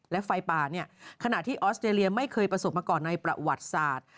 และไฟป่าเนี่ยขณะที่ออสเตรเลียไม่เคยประสบมาก่อนในประวัติศาสตร์